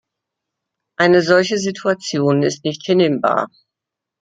Eine solche Situation ist nicht hinnehmbar.